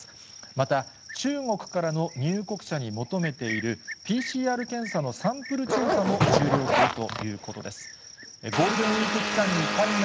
また、中国からの入国者に求めているＰＣＲ検査のサンプル調査も終了するということです。